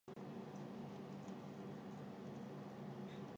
他曾经就读于香港邓肇坚维多利亚官立中学和明爱白英奇专业学校。